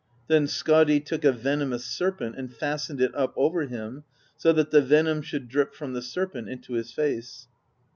Then Skadi took a venomous serpent and fastened it up over him, so that the venom should drip from the serpent into his face.